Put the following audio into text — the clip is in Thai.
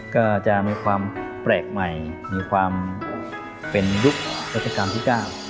ก็จะมีความแปลกใหม่มีความเป็นยุครัชกาลที่๙